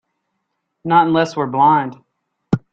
Not unless we're blind.